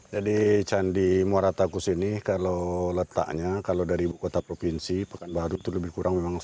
jadi candi muara takus ini kalau letaknya kalau dari buku kota provinsi pekanbaru itu lebih kurang memang satu ratus dua puluh satu km